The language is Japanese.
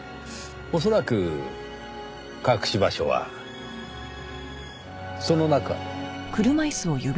恐らく隠し場所はその中。